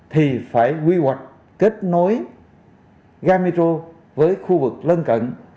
thì phải quy hoạch kết nối gà metro với khu vực lân cận